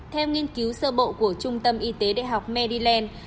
theo nghiên cứu sơ bộ của trung tâm y tế đại học mediland